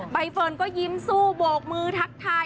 ใบเฟิร์นก็ยิ้มสู้โบกมือทักทาย